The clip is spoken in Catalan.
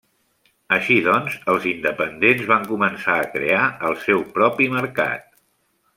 Així doncs, els independents van començar a crear el seu propi mercat.